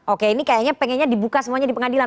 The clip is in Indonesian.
oke ini kayaknya pengennya dibuka semuanya di pengadilan